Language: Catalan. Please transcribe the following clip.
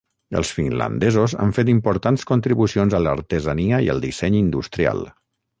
Els Finlandesos han fet importants contribucions a l'artesania i al disseny industrial.